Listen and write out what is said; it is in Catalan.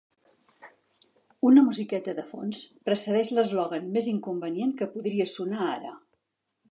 Una musiqueta de fons precedeix l'eslògan més inconvenient que podria sonar ara.